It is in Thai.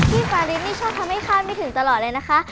พี่ฟาริสต์นี่ชอบทำให้ข้ามได้ถึงตลอดเลยนะคะ